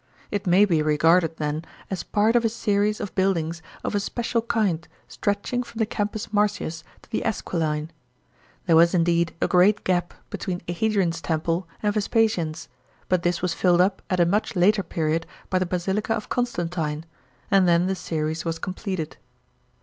It may be regarded, then, as part of a series of build ings of a special kind stretching from the Campus Martins to the Esquiline. There was indeed a great gap between Hadrian's temple and Vespasian's, but this was filled up at a much later period by the Basilica of Constantino, and then the series was completed.